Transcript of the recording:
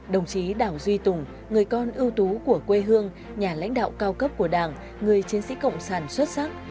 đồng chí đảo duy tùng người con ưu tú của quê hương nhà lãnh đạo cao cấp của đảng người chiến sĩ cộng sản xuất sắc